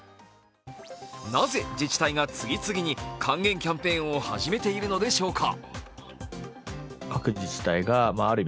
なぜ自治体が次々に還元キャンペーンを始めているのでしょうか？